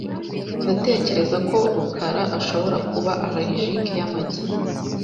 Ndatekereza ko rukara ashobora kuba allergique yamagi .